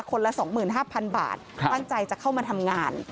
คนละสองหมื่นห้าพันบาทค่ะตั้งใจจะเข้ามาทำงาน